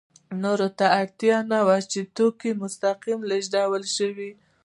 نور اړتیا نه وه چې د توکو مستقیم لېږد وشي